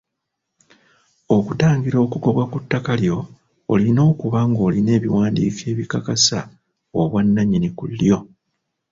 Okutangira okugobwa ku ttaka lyo olina okuba ng'olina ebiwandiiko ebikakasa obwannannyini ku lyo.